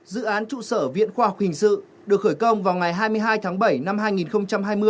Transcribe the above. dự án trụ sở viện khoa học hình sự được khởi công vào ngày hai mươi hai tháng bảy năm hai nghìn hai mươi